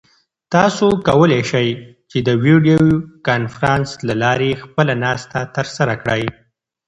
تاسو کولای شئ چې د ویډیویي کنفرانس له لارې خپله ناسته ترسره کړئ.